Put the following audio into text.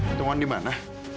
ketemuan di mana